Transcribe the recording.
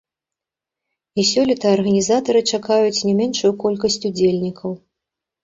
І сёлета арганізатары чакаюць не меншую колькасць удзельнікаў.